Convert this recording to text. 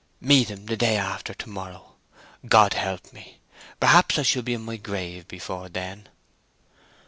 "Meet him the day after to morrow: God help me! Perhaps I shall be in my grave before then."